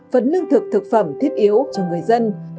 phần lương thực thực phẩm thiết yếu cho người dân